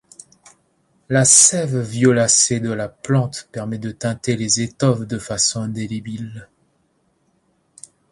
La sève violacée de la plante permet de teinter les étoffes de façon indélébile.